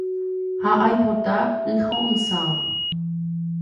Ha aipota y ho’ysãva.